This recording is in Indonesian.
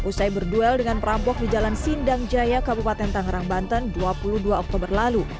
usai berduel dengan perampok di jalan sindang jaya kabupaten tangerang banten dua puluh dua oktober lalu